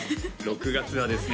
６月はですね